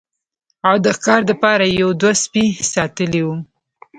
او د ښکار د پاره يې يو دوه سپي ساتلي وو